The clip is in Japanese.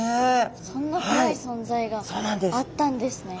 そんなこわい存在があったんですね。